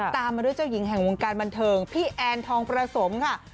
ตามมาด้วยเจ้าหญิงแห่งวงการบันเทิงพี่แอนทองประสมค่ะ